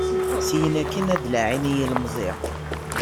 Syin akkin ad laɛin i yilemẓi.